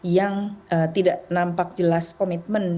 yang tidak nampak jelas komitmen